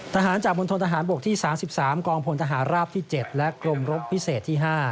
ทหารจากมณฑนทหารบกที่๓๓กองพลทหารราบที่๗และกรมรบพิเศษที่๕